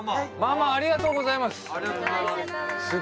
ありがとうございます。